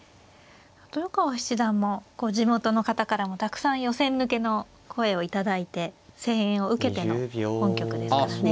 豊川七段も地元の方からもたくさん予選抜けの声を頂いて声援を受けての本局ですからね。